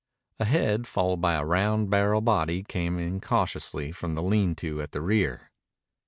A head followed by a round barrel body came in cautiously from the lean to at the rear.